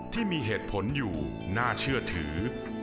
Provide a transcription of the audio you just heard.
ที่มีเหตุผลอยู่น่าเชื่อถือ